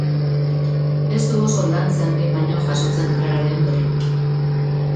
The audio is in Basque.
Ez du oso lantzean behin baino jasotzen Clararen berririk.